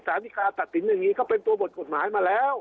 วิคาตัดสินอย่างนี้ก็เป็นตัวบทกฎหมายมาแล้ว